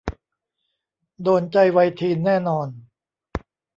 โดนใจวัยทีนแน่นอน